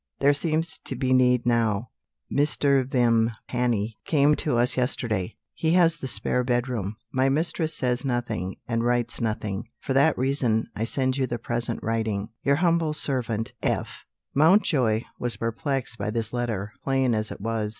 There seems to be need now. Mr. Vimpany came to us yesterday. He has the spare bedroom. My mistress says nothing, and writes nothing. For that reason, I send you the present writing. Your humble servant, F." Mountjoy was perplexed by this letter, plain as it was.